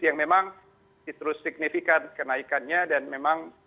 yang memang terus signifikan kenaikannya dan memang